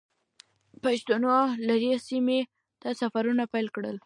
پښتنو لرې سیمو ته سفرونه پیل کړل.